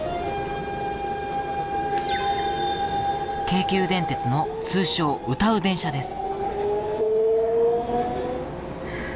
京急電鉄の通称歌う電車です。